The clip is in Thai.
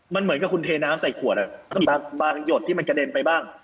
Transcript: มันเหมือนกับคุณเทน้ำใส่ขวดก็มีบางหยดที่มันกระเด็นไปบ้าง